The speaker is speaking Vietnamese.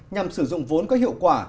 nhằm sử dụng vốn có hiệu quả